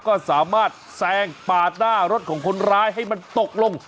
ก็สามารถแซงปาดหน้ารถของคนร้ายให้มันตกลง